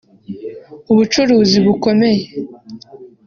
ubucuruzi bukomeye